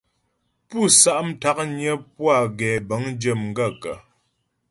Pú sá'ntǎknyə́ pú a gɛbə̌ŋdyə́ m gaə̂kə́ ?